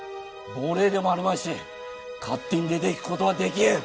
亡霊でもあるまいし勝手に出て行くことはできん